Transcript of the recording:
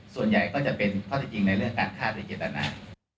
ส่วนใหญ่ก็จะเป็นข้อที่จริงในเรื่องการฆ่าโดยเจตนา